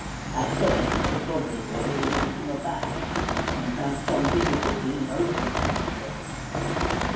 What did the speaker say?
At first Mr. Fotheringay was a little abashed, and found some difficulty in opening the matter.